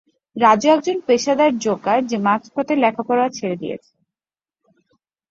রাজু একজন পেশাদার-জোকার যে মাঝপথে লেখাপড়া ছেড়ে দিয়েছে।